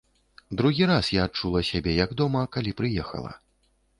Другі раз я адчула сябе як дома, калі прыехала.